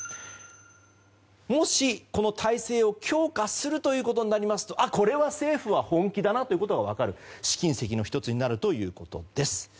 もしこの体制を強化するとなりますとこれは、政府は本気だなということが分かる試金石の１つになるということです。